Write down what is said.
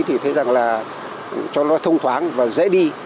thì thấy rằng là cho nó thông thoáng và dễ đi